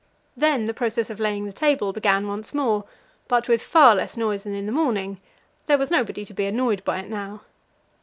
Then the process of laying the table began once more, but with far less noise than in the morning; there was nobody to be annoyed by it now.